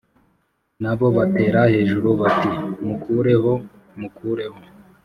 Na bo batera hejuru bati Mukureho mukureho